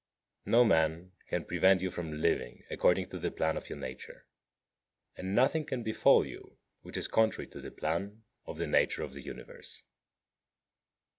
58. No man can prevent you from living according to the plan of your nature; and nothing can befall you which is contrary to the plan of the nature of the Universe.